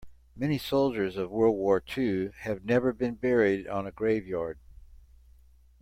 Many soldiers of world war two have never been buried on a grave yard.